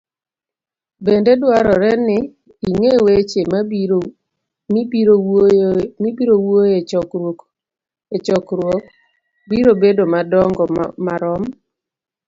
Bende dwarore ni ing'e weche mibiro wuoyoe e chokruok biro bedo madongo marom